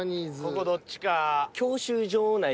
ここどっちか。